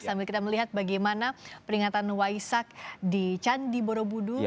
sambil kita melihat bagaimana peringatan waisak di candi borobudur